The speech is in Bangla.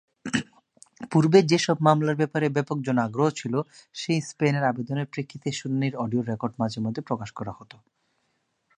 পূর্বে যে সব মামলার ব্যাপারে ব্যাপক জন-আগ্রহ ছিলো সি-স্প্যান এর আবেদনের প্রেক্ষিতে শুনানির অডিও রেকর্ড মাঝে মধ্যে প্রকাশ করা হতো।